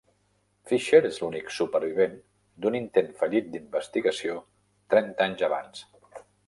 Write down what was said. Fischer és l'únic supervivent d'un intent fallit d'investigació trenta anys abans.